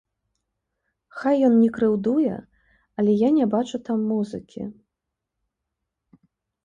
Хай ён не крыўдуе, але я не бачу там музыкі.